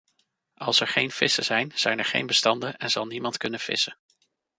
Als er geen vissen zijn, zijn er geen bestanden en zal niemand kunnen vissen.